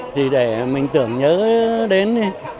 thì để mình tưởng nhớ đến